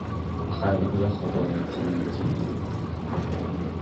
Михайлик захоплений цією оцінкою.